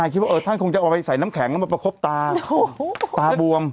นายคิดว่าเออท่านคงจะเอาไอ้ใส่น้ำแข็งนั่นมาประคบตาโอ้โหตาบวม